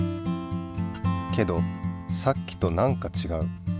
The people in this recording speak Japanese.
けどさっきと何かちがう。